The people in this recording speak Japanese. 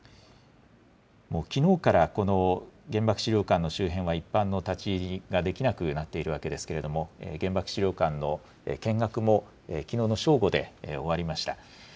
きのうからこの原爆資料館の周辺は一般の立ち入りができなくなっているわけですけれども、原爆資料館の見学もきのうの正午で終わりました。